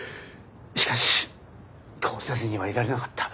しかしこうせずにはいられなかった。